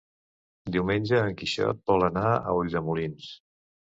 Diumenge en Quixot vol anar a Ulldemolins.